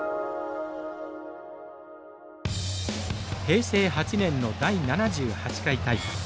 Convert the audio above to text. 平成８年の第７８回大会。